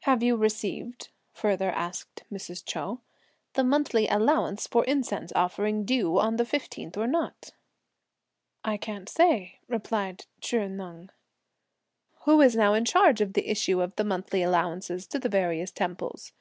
"Have you received," further asked Mrs. Chou, "the monthly allowance for incense offering due on the fifteenth or not?" "I can't say," replied Chih Neng. "Who's now in charge of the issue of the monthly allowances to the various temples?"